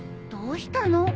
どうしたの？